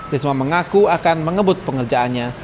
risma mengaku akan mengebut pengerjaannya